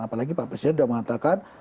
apalagi pak presiden sudah mengatakan